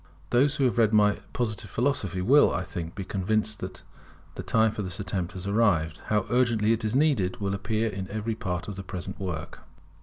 Those who have read my Positive Philosophy will, I think, be convinced that the time for this attempt has arrived. How urgently it is needed will appear in every part of the present work.